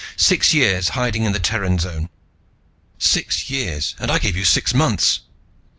Six years hiding in the Terran zone. Six years, and I gave you six months!